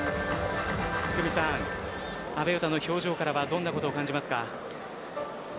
阿部詩の表情からはどんなことを感じますか。